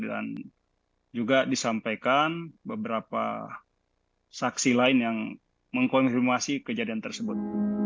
dan juga disampaikan beberapa saksi lain yang mengkonfirmasi kejadian tersebut